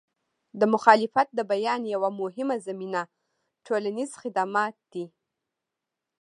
د مخالفت د بیان یوه مهمه زمینه ټولنیز خدمات دي.